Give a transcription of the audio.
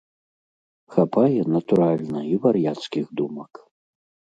Хапае, натуральна, і вар'яцкіх думак.